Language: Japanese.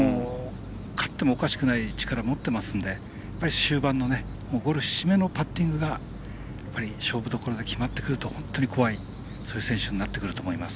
勝ってもおかしくない力持っていますので終盤のゴルフ締めのパッティングが勝負どころが決まってくると本当に怖い選手になってくると思います。